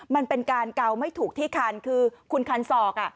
มันเป็นการเกาไม่ถูกที่คันคือคุณคันศอกอ่ะ